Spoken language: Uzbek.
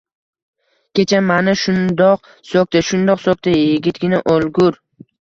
Kecha mani shundoq so‘kdi, shundoq so‘kdi, yigitgina o‘lgur!